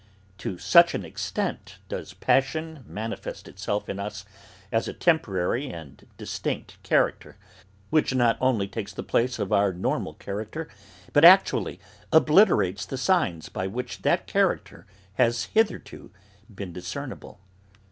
To such an extent does passion manifest itself in us as a temporary and distinct character, which not only takes the place of our normal character but actually obliterates the signs by which that character has hitherto been discernible.